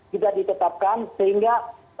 juga ditetapkan sehingga